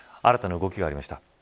新たな動きがありました。